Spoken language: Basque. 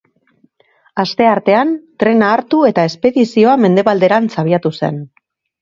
Asteartean, trena hartu eta espedizioa mendebalderantz abiatu zen.